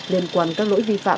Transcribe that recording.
liên quan các lỗi vi phạm